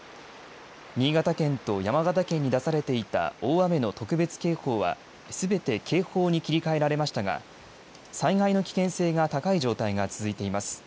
新潟県と山形県に出されていた大雨の特別警報はすべて警報に切り替えられましたが災害の危険性が高い状態が続いています。